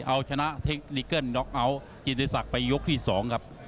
เอาชนะเทคลิกเกิ้ลด๊อคเอาต์เจนสักไปยกที่๒ครับ